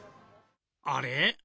あれ？